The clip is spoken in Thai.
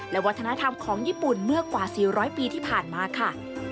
และวัฒนธรรมของญี่ปุ่นเมื่อกว่า๔๐๐ปีที่ผ่านมาค่ะ